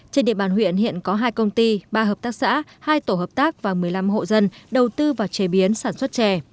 trên địa bàn huyện hiện có hai công ty ba hợp tác xã hai tổ hợp tác và một mươi năm hộ dân đầu tư vào chế biến sản xuất chè